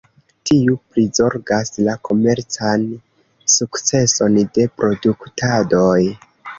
Tiu prizorgas la komercan sukceson de produktadoj.